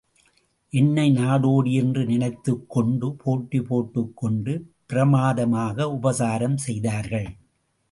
என்னை நாடோடி என்று நினைத்துக் கொண்டு போட்டி போட்டுக் கொண்டு பிரமாதமாக உபசாரம் செய்தார்கள்.